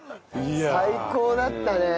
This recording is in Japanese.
最高だったね。